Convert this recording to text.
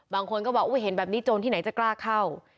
บางคนก็บอกเห็นแบบนี้โจรที่ไหนจะกล้าเข้า